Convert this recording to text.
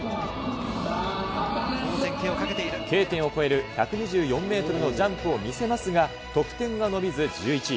Ｋ点を越える１２４メートルのジャンプを見せますが、得点が伸びず１１位。